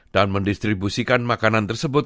dan mendistribusikan makanan tersebut